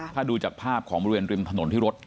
ถ้าดูจากภาพของบริเวณริมถนนที่รถ